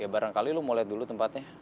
ya bareng kali lo mau liat dulu tempatnya